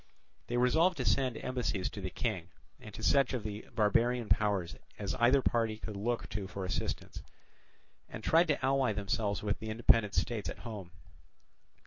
They resolved to send embassies to the King and to such other of the barbarian powers as either party could look to for assistance, and tried to ally themselves with the independent states at home.